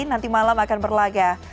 nanti malam akan berlagak